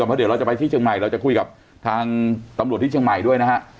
เพราะเดี๋ยวเราจะไปที่เชียงใหม่เราจะคุยกับทางตำรวจที่เชียงใหม่ด้วยนะฮะ